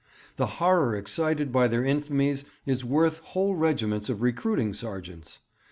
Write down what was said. The horror excited by their infamies is worth whole regiments of recruiting sergeants.